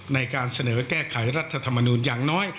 ในการเสนอแก้ไขรัฐธรรมนูลอย่างน้อย